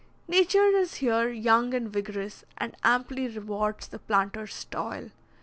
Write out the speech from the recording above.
Nature is here young and vigorous, and amply rewards the planter's toil.